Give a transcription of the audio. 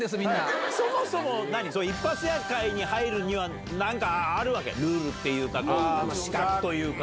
そもそも、何、一発屋会に入るには、なんかあるわけ？ルールっていうか、資格というか。